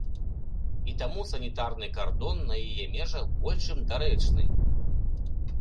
І таму санітарны кардон на яе межах больш чым дарэчны.